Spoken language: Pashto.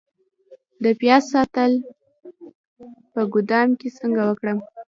د پیاز ساتل په ګدام کې څنګه وکړم؟